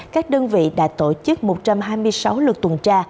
các đơn vị đã tổ chức một trăm hai mươi sáu lượt tuần tra